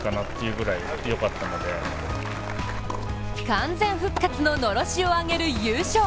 完全復活ののろしを上げる優勝。